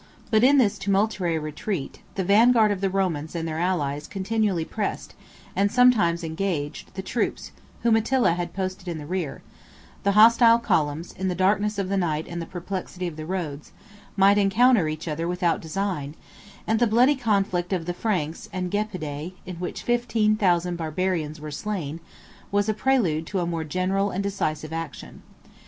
But in this tumultuary retreat, the vanguard of the Romans and their allies continually pressed, and sometimes engaged, the troops whom Attila had posted in the rear; the hostile columns, in the darkness of the night and the perplexity of the roads, might encounter each other without design; and the bloody conflict of the Franks and Gepidae, in which fifteen thousand 40 Barbarians were slain, was a prelude to a more general and decisive action.